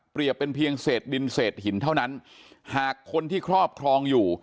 เป็นเพียงเศษดินเศษหินเท่านั้นหากคนที่ครอบครองอยู่